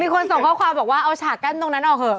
คนส่งข้อความบอกว่าเอาฉากกั้นตรงนั้นออกเหอ